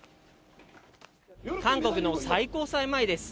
韓国の最高裁前です。